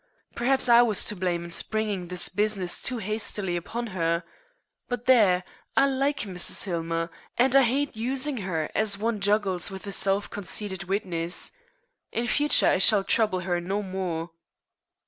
Perhaps I was to blame in springing this business too hastily upon her. But there! I like Mrs. Hillmer, and I hate using her as one juggles with a self conceited witness. In future I shall trouble her no more."